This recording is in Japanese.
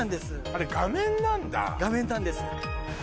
あれ画面なんだ画面なんです